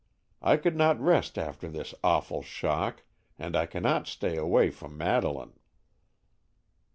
I could not rest after this awful shock, and I cannot stay away from Madeleine."